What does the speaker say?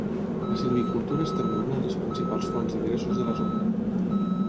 La silvicultura és també una de les principals fonts d'ingressos de la zona.